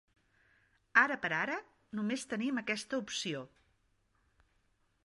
Ara per ara només tenim aquesta opció.